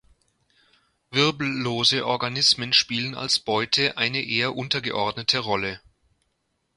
Wirbellose Organismen spielen als Beute eine eher untergeordnete Rolle.